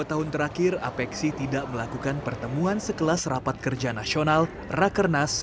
dua tahun terakhir apexi tidak melakukan pertemuan sekelas rapat kerja nasional rakernas